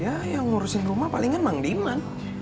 ya yang ngurusin rumah palingan mang diman